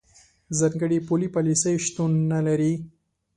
ځانګړې پولي پالیسۍ شتون نه لري.